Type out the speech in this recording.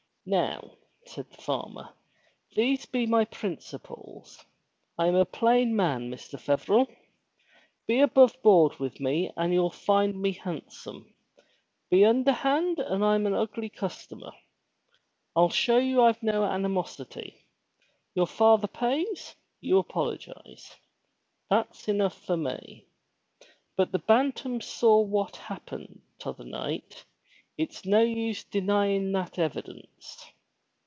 Now," said the farmer, these be my principles. I'm a plain man, Mr. Feverel. Be above board with me and you'll finfl me handsome. Be underhanded and I'm a ugly customer. I'll show you I've no animosity. Your father pays, you apologize. That's enough for me. But the Bantam saw what happened t other night. It's no use your denyin' that evidence."